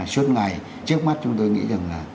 suốt ngày trước mắt chúng tôi nghĩ rằng là